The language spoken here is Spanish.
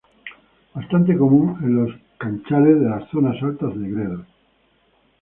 Bastante común en los canchales de las zonas altas de Gredos.